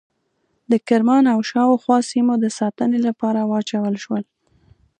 د کرمان او شاوخوا سیمو د ساتنې لپاره واچول شول.